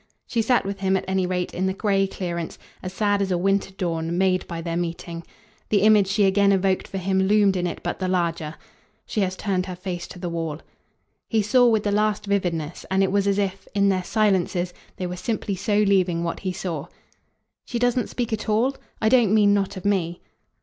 She sat with him at any rate in the grey clearance, as sad as a winter dawn, made by their meeting. The image she again evoked for him loomed in it but the larger. "She has turned her face to the wall." He saw with the last vividness, and it was as if, in their silences, they were simply so leaving what he saw. "She doesn't speak at all? I don't mean not of me."